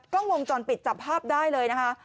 กล้องวงจรปิดจับภาพได้เลยนะคะ